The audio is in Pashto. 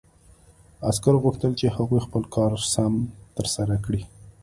عسکرو غوښتل چې هغوی خپل کار سم ترسره کړي